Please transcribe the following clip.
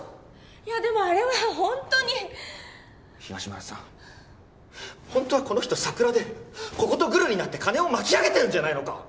いやでもあれはホントに東村さんホントはこの人サクラでこことグルになって金をまきあげてるんじゃないのか？